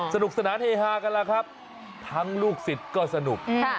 สนุกสนานเฮฮากันแล้วครับทั้งลูกศิษย์ก็สนุก